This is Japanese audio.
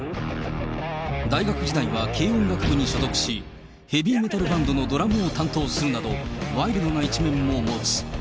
大学時代は軽音楽部に所属し、ヘビーメタルバンドのドラムを担当するなど、ワイルドな一面も持つ。